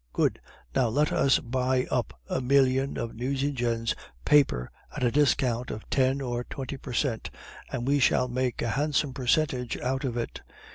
Good. Now let us buy up a million of Nucingen's paper at a discount of ten or twenty per cent, and we shall make a handsome percentage out of it.